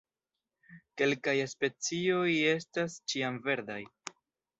Kelkaj specioj estas ĉiamverdaj.